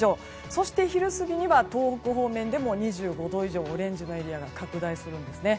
そして、昼過ぎには東北方面でも２５度以上のオレンジエリアが拡大します。